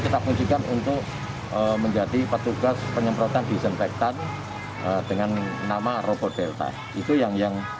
kita kuncikan untuk menjadi petugas penyemprotan disinfektan dengan nama robot delta itu yang yang